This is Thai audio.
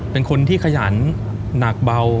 เป็นคนที่ขยันหนักเบา